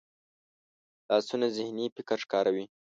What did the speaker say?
لاسونه ذهني فکر ښکاروي